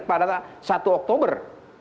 pada satu oktober